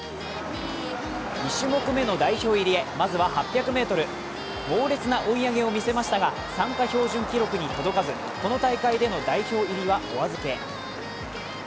２種目めの代表入りへまずは８００ｍ猛烈な追い上げを見せましたが参加標準記録に届かず、この大会での代表入りはお預け。